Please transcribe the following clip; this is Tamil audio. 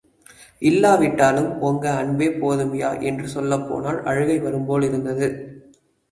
இல்லாவிட்டாலும் ஒங்க அன்பே போதும்ப்யா... என்று சொல்லப்போனால் அழுகை வரும்போல் இருந்தது.